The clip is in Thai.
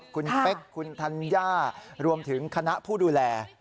คุณเป๊กคุณธัญญารวมถึงคณะผู้ดูแล